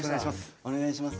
お願いします。